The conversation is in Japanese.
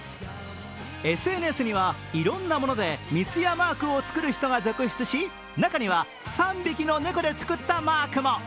ＳＮＳには、いろんなもので三ツ矢マークを作る人が続出し、中には３匹の猫で作ったマークも！